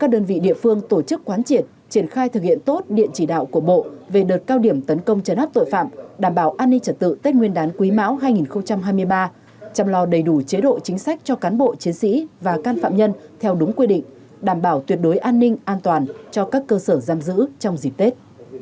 đơn vị địa phương tổ chức quán triệt triển khai thực hiện tốt điện chỉ đạo của bộ về đợt cao điểm tấn công chấn áp tội phạm đảm bảo an ninh trật tự tết nguyên đán quý mão hai nghìn hai mươi ba chăm lo đầy đủ chế độ chính sách cho cán bộ chiến sĩ và can phạm nhân theo đúng quy định đảm bảo tuyệt đối an ninh an toàn cho các cơ sở giam giữ trong dịp tết